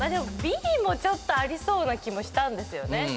でもＢもちょっとありそうな気もしたんですよね。